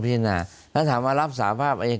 พิจารณาแล้วถามว่า